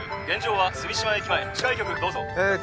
現場は墨島駅前近い局どうぞえ